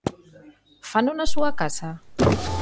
Fano na súa casa?